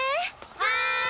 はい！